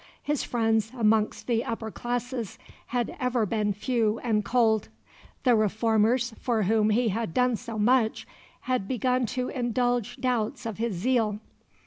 His friends amongst the upper classes had ever been few and cold. The reformers, for whom he had done so much, had begun to indulge doubts of his zeal.